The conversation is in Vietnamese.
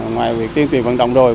ngoài việc tuyên truyền vận động rồi